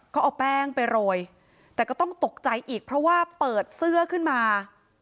ก็เอาแป้งไปโรยแต่ก็ต้องตกใจอีกเพราะว่าเปิดเสื้อขึ้นมา